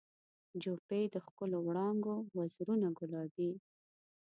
جوپې د ښکلو وړانګو وزرونه ګلابي